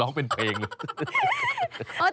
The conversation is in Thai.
ร้องเป็นเพลงเลย